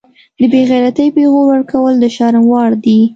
د بیغیرتۍ پیغور ورکول د شرم وړ دي